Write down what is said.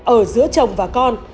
ở giữa chồng và con